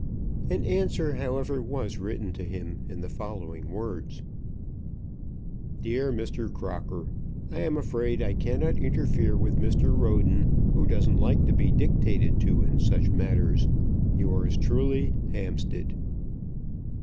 An answer, however, was written to him in the following words; DEAR MR. CROCKER, I am afraid I cannot interfere with Mr. Roden, who doesn't like to be dictated to in such matters. Yours truly, HAMPSTEAD.